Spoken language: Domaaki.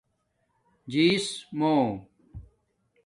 جیس مُو